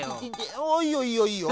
おいいよいいよいいよ。